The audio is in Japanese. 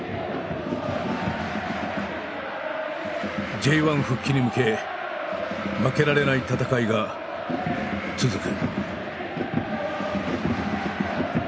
Ｊ１復帰に向け負けられない戦いが続く。